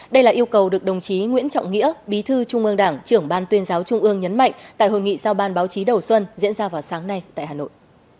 đây là yêu cầu được đồng chí nguyễn trọng nghĩa bí thư trung ương đảng trưởng ban tuyên giáo trung ương nhấn mạnh tại hội nghị giao ban báo chí đầu xuân diễn ra vào sáng nay tại hà nội